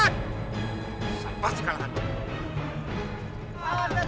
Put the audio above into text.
aku akan mencari siapa yang bisa menggoda dirimu